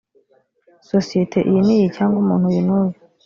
sosiyete iyi n iyi cyangwa umuntu uyu n uyu